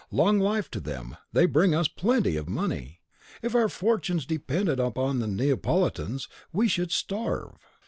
Long life to them, they bring us plenty of money! If our fortunes depended on the Neapolitans, we should starve."